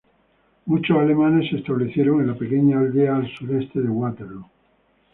Muchos alemanes se establecieron en la pequeña aldea al sureste de Waterloo.